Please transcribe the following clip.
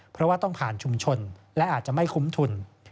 เพราะว่าต้องผ่านชุมชนและอาจจะไม่คุ้มทุน